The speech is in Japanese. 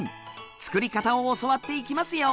作り方を教わっていきますよ！